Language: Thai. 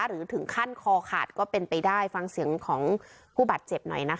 หรือถึงขั้นคอขาดก็เป็นไปได้ฟังเสียงของผู้บาดเจ็บหน่อยนะคะ